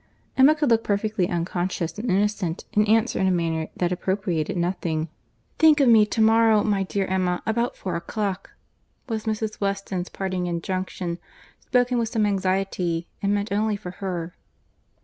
Emma could look perfectly unconscious and innocent, and answer in a manner that appropriated nothing. "Think of me to morrow, my dear Emma, about four o'clock," was Mrs. Weston's parting injunction; spoken with some anxiety, and meant only for her.